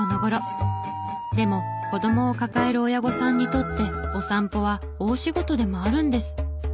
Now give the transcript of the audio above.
でも子供を抱える親御さんにとってお散歩は大仕事でもあるんです。